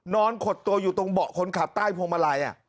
ขดตัวอยู่ตรงเบาะคนขับใต้พวงมาลัย